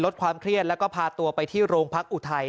ความเครียดแล้วก็พาตัวไปที่โรงพักอุทัย